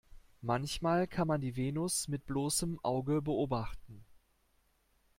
Manchmal kann man die Venus mit bloßem Auge beobachten.